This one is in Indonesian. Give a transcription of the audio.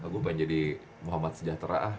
gue pengen jadi muhammad sejahtera ah